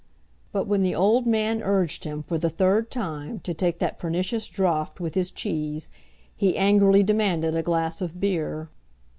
But when the old man urged him, for the third time, to take that pernicious draught with his cheese, he angrily demanded a glass of beer.